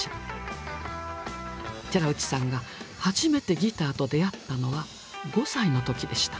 寺内さんが初めてギターと出会ったのは５歳の時でした。